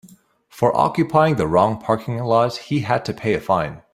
For occupying the wrong parking lot he had to pay a fine.